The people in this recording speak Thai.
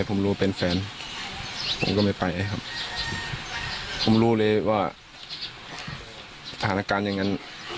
ผมรู้เป็นแฟนผมก็ไม่ไปครับผมรู้เลยว่าสถานการณ์อย่างนั้น